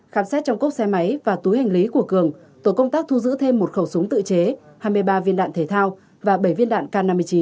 khám xét trong cốc xe máy và túi hành lý của cường tổ công tác thu giữ thêm một khẩu súng tự chế hai mươi ba viên đạn thể thao và bảy viên đạn k năm mươi chín